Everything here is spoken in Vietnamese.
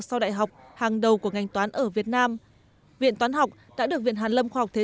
sau đại học hàng đầu của ngành toán ở việt nam viện toán học đã được viện hàn lâm khoa học thế